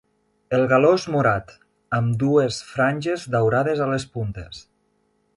El galó és morat, amb dues franges daurades a les puntes.